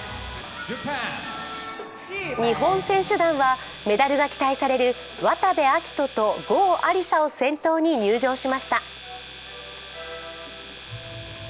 日本選手団はメダルが期待される渡部暁斗と郷亜里砂を先頭に入場しました。